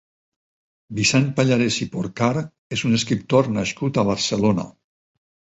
Vicent Pallarés i Porcar és un escriptor nascut a Barcelona.